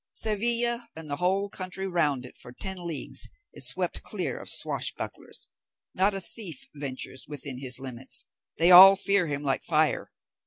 Seville, and the whole country round it for ten leagues, is swept clear of swash bucklers; not a thief ventures within his limits; they all fear him like fire.